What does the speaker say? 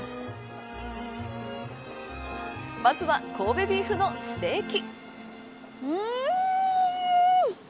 まずは、神戸ビーフのステーキ。